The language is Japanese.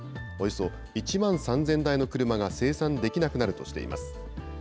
およそ１万３０００台の車が生産できなくなるとしています。